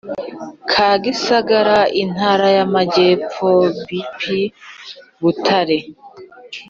ka Gisagara Intara y Amajyepfo B P Butare